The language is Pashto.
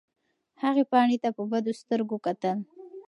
هغې پاڼې ته په بدو سترګو کتل.